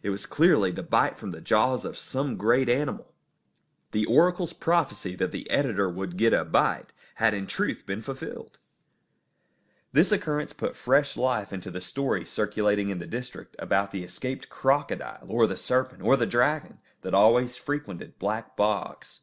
It was clearly the bite from the jaws of some great animal. The oracle's prophecy that the editor would get a bite had in truth been fulfilled! This occurrence put fresh life into the stories circulating in the district about the escaped crocodile, or the serpent, or the dragon, that always frequented black bogs.